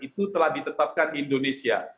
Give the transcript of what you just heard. itu telah ditetapkan indonesia